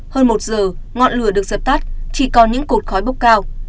hơn một giờ ngọn lửa được dập tắt chỉ còn những cột khói bốc cao